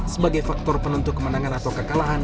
sebagai faktor penentu kemenangan atau kekalahan